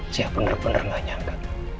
saya bener bener gak nyangka